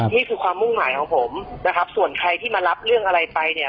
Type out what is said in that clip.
นี่คือความมุ่งหมายของผมนะครับส่วนใครที่มารับเรื่องอะไรไปเนี่ย